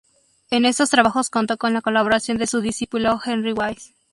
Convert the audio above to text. En estos trabajos contó con la colaboración de su discípulo Henry Wise.